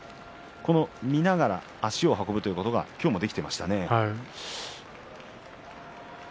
見ながら足を運ぶということが今日もできていましたね。